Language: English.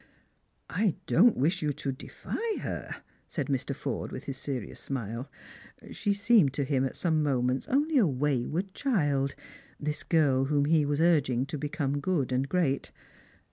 " I don't wish you to defy her," said Mr. Forde, with his serious smile. She seemed to him at some moments only a wayward child, this girl whom he was urging to become good and great.